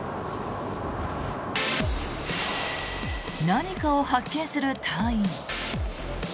何かを発見する隊員。